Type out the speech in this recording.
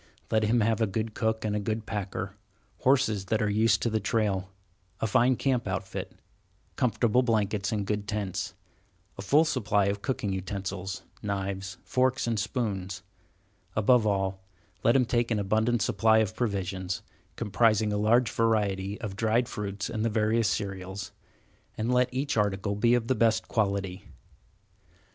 Let him have a good cook and a good packer; horses that are used to the trail; a fine camp outfit; comfortable blankets and good tents; a full supply of cooking utensils, knives, forks, and spoons; above all, let him take an abundant supply of provisions, comprising a large variety of dried fruits and the various cereals, and let each article be of the best quality.